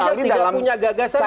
ganjar tidak punya gagasan